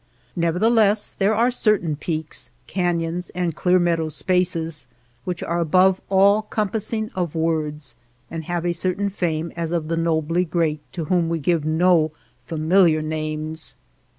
Nevertheless there are certain peaks, ca nons, and clear meadow spaces which are above all compassing of words, and have a certain fame as of the nobly great to whom we give no familiar names.